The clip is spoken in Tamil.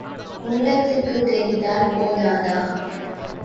உள்ளத்துக்குத் தெரிந்தால் போதாதா?